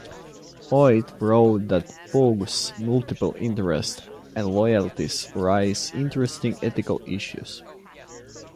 Hoyt wrote that Pogue's multiple interests and loyalties raise interesting ethical issues.